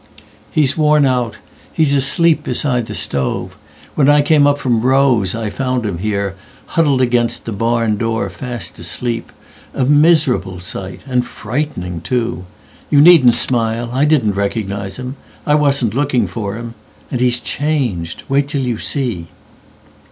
"He's worn out. He's asleep beside the stove. When I came up from Rowe's I found him here, Huddled against the barn door fast asleep,A miserable sight, and frightening, too—You needn't smile—I didn't recognise him—I wasn't looking for him—and he's changed. Wait till you see."